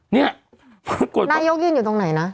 นี่นายกยืนตรงไหนนะ